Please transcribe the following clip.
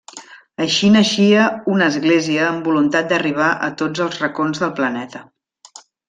Així naixia una església amb voluntat d'arribar a tots els racons del planeta.